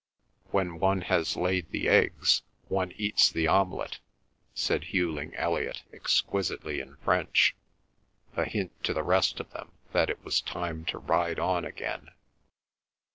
"When one has laid the eggs one eats the omelette," said Hughling Elliot, exquisitely in French, a hint to the rest of them that it was time to ride on again.